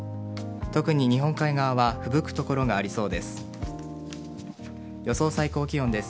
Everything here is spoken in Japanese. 特に日本海側はふぶくところがありそうです。